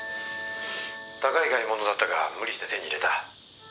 「高い買い物だったが無理して手に入れた」